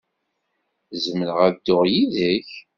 Zemreɣ ad dduɣ yid-k?